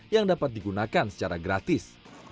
yang dapat digunakan secara gratis